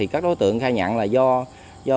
các đối tượng khai nhận là do